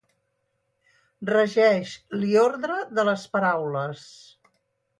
Regeix l'iordre de les paraules.